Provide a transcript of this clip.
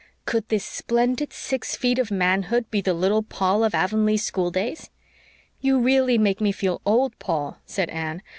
Could this splendid six feet of manhood be the little Paul of Avonlea schooldays? "You really make me feel old, Paul," said Anne.